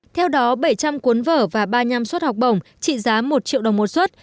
theo đó bảy trăm linh cuốn vở và ba nhăm suất học bổng trị giá một triệu đồng một suất